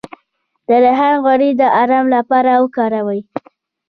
د ریحان غوړي د ارام لپاره وکاروئ